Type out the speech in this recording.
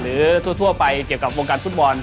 ทั่วไปเกี่ยวกับวงการฟุตบอล